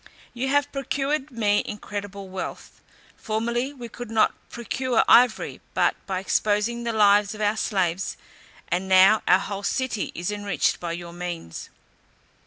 You have procured me incredible wealth. Formerly we could not procure ivory but by exposing the lives of our slaves, and now our whole city is enriched by your means.